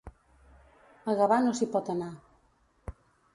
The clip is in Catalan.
A Gavà no s'hi pot anar.